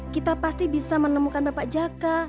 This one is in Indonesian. kita pasti bisa menemukan bapak jaka